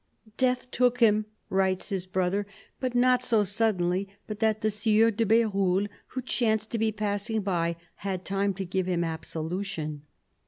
" Death took him," writes his brother, " but not so suddenly but that the Sieur de Berulle, who chanced to be passing by, had time to give him absolution."